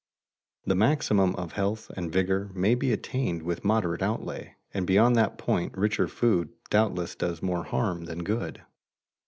The maximum of health and vigor may be attained with moderate outlay, and beyond that point richer food doubtless does more harm than good.